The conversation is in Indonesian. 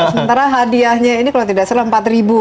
sementara hadiahnya ini kalau tidak salah empat ribu